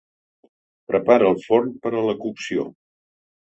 Prepara el forn per a la cocció.